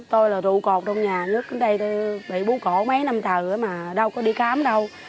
tôi là rượu cột trong nhà nhất đến đây tôi bị bú cổ mấy năm thờ mà đâu có đi khám đâu